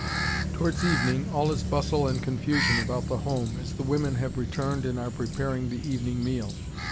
Towards evening all is bustle and confusion about the home, as the women have returned and are preparing the evening meal.